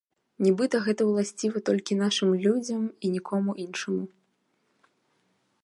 Нібыта гэта ўласціва толькі нашым людзям і нікому іншаму.